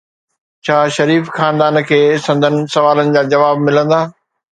ڇا شريف خاندان کي سندن سوالن جا جواب ملندا؟